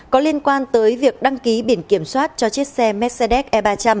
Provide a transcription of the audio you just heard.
có liên quan tới việc đăng ký biển kiểm soát cho chiếc xe mercedes ba trăm linh